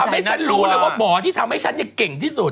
ให้ฉันรู้เลยว่าหมอที่ทำให้ฉันเก่งที่สุด